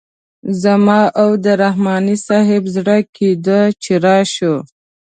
زما او د رحماني صیب زړه کیده چې راشو.